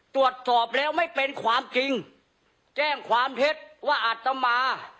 ตรวจสอบแล้วไม่เป็นความจริงแจ้งความเท็จว่าอาตมา